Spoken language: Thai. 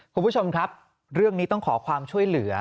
คุณผู้ชมครับเรื่องนี้ต้องขอความช่วยเหลือ